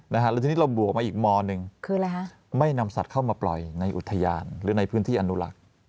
แล้วทีนี้เราบวกมาอีกมหนึ่งคืออะไรฮะไม่นำสัตว์เข้ามาปล่อยในอุทยานหรือในพื้นที่อนุรักษ์